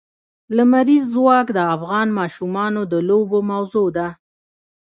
لمریز ځواک د افغان ماشومانو د لوبو موضوع ده.